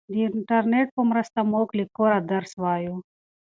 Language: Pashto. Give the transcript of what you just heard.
د انټرنیټ په مرسته موږ له کوره درس وایو.